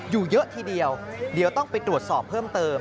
อยู่เยอะทีเดียวเดี๋ยวต้องไปตรวจสอบเพิ่มเติม